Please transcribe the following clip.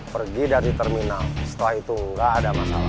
pergi dari terminal setelah itu nggak ada masalah